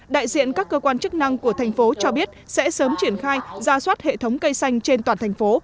đại diện các cơ quan chức năng của thành phố cho biết sẽ sớm triển khai ra soát hệ thống cây xanh trên toàn thành phố